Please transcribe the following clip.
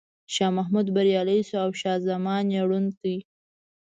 شاه محمود بریالی شو او شاه زمان یې ړوند کړ.